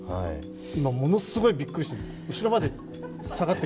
今、ものすごいびっくりして後ろまで下がって。